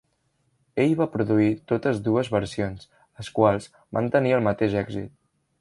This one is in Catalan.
Ell va produir totes dues versions, les quals van tenir el mateix èxit.